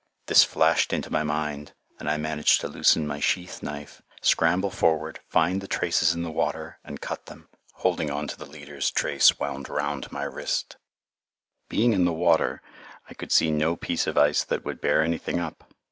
This flashed into my mind, and I managed to loosen my sheath knife, scramble forward, find the traces in the water, and cut them, holding on to the leader's trace wound round my wrist. [Illustration: TRAVELLING ON BROKEN ICE] Being in the water I could see no piece of ice that would bear anything up.